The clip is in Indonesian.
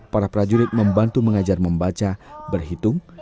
para prajurit membantu mengajar membaca berhitung